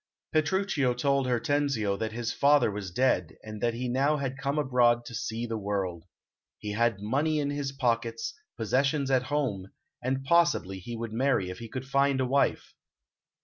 Petruchio told Hortensio that his father was dead, and that he had now come abroad to see the world. He had money in his pockets, possessions at home, and possibly he would marry if he could find a wife.